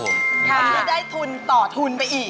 วันนี้ได้ทุนต่อทุนไปอีก